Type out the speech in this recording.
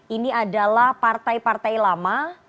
ini adalah partai partai lama